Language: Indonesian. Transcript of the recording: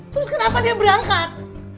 terus kenapa dia berangkat